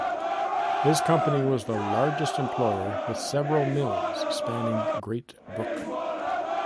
His company was the largest employer with several mills spanning Great Brook.